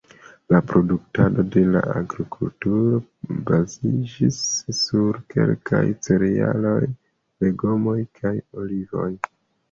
La produktado de la agrikulturo baziĝis sur kelkaj cerealoj, legomoj kaj olivoj.